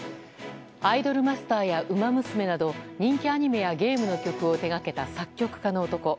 「アイドルマスター」や「ウマ娘」など人気アニメやゲームの曲を手掛けた作曲家の男。